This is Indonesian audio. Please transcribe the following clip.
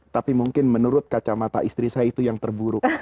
tapi mungkin menurut kacamata istri saya itu yang terburuk